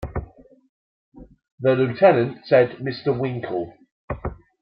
‘The Lieutenant,’ said Mr. Winkle.